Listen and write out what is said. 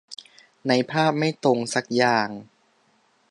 ในภาพไม่ตรงสักอย่าง